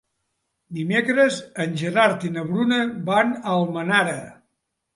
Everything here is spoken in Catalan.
Dimecres en Gerard i na Bruna van a Almenara.